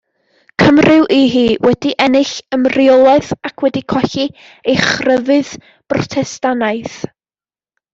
Cymru yw hi wedi ennill ymreolaeth ac wedi colli ei chrefydd Brotestannaidd.